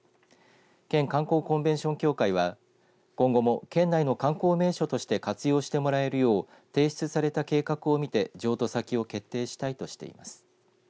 県観光コンベンション協会は今後も県内の観光名所として活用してもらえるよう提出された計画を見て譲渡先を決定したいとしています。